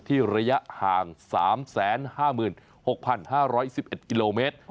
ระยะห่าง๓๕๖๕๑๑กิโลเมตร